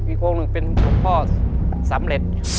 โค้งหนึ่งเป็นหลวงพ่อสำเร็จ